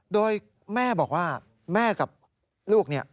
โดยแม่บอกว่าแม่กับลูกเนี่ย